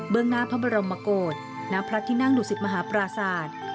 งหน้าพระบรมโกศณพระที่นั่งดุสิตมหาปราศาสตร์